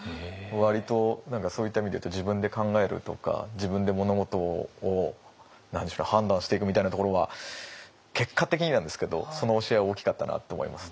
割とそういった意味で言うと自分で考えるとか自分で物事を判断していくみたいなところは結果的になんですけどその教えは大きかったなと思います。